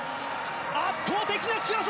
圧倒的な強さ。